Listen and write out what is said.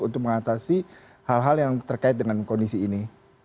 untuk mengatasi hal hal yang terkait dengan kondisi ini